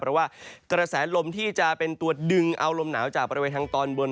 เพราะว่ากระแสลมที่จะเป็นตัวดึงเอาลมหนาวจากบริเวณทางตอนบน